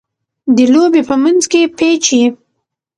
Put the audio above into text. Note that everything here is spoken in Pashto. د لوبي په منځ کښي پېچ يي.